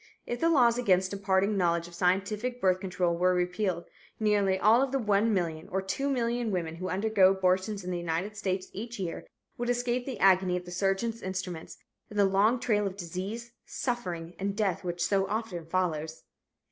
If the laws against imparting knowledge of scientific birth control were repealed, nearly all of the 1,000,000 or 2,000,000 women who undergo abortions in the United States each year would escape the agony of the surgeon's instruments and the long trail of disease, suffering and death which so often follows.